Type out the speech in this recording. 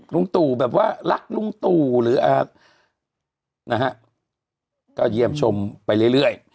ลุงตู่แบบว่ารักลุงตู่หรือนะฮะก็เยี่ยมชมไปเรื่อย